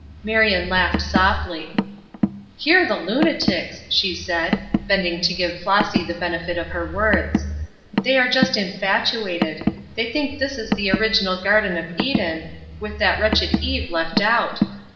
Marion laughed softly. "Hear the lunatics!" she said, bending to give Flossy the benefit of her words. "They are just infatuated; they think this is the original Garden of Eden, with that wretched Eve left out.